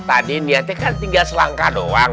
tadi niatnya kan tinggal selangkah doang